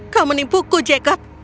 kau menipuku jacob